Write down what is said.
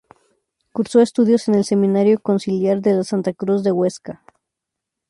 Cursó estudios en el Seminario Conciliar de la Santa Cruz de Huesca.